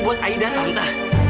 buat aida tante